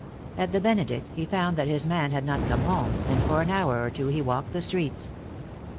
At the Benedict he found that his man had not come home, and for an hour or two he walked the streets.